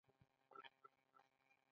ما ته معلومیږي چي ما ته غوسه راغلې ده.